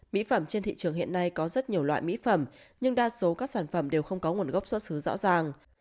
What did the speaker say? mỹ phẩm trên thị trường hiện nay có rất nhiều loại mỹ phẩm nhưng đa số các sản phẩm đều không có nguồn gốc xuất xứ rõ ràng